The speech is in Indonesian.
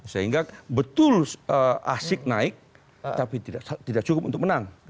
sehingga betul asik naik tapi tidak cukup untuk menang